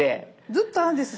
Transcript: ずっと「あ」です